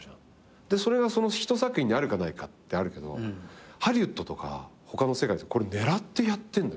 でそれがひと作品にあるかないかってあるけどハリウッドとか他の世界って狙ってやってんだよ